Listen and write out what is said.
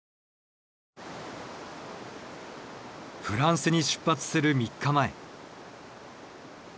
フランスに出発する３日前。